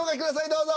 どうぞ。